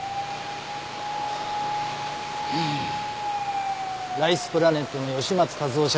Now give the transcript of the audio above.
ライスプラネットの吉松和男社長だす。